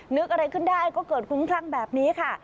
นึกอะไรขึ้นได้ก็เกิดคลุ้มคลั่งแบบนี้ค่ะ